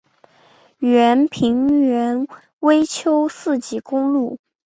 属平原微丘四级公路。